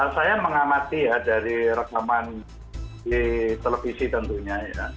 saya mengamati dari rekaman di televisi tentunya